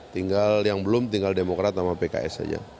tinggal yang belum tinggal demokrat sama pks saja